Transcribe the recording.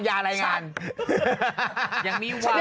การุนามาดูเดี๋ยวจะโอนให้